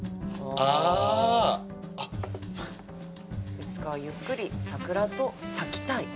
「いつかはゆっくり桜と咲きたい」。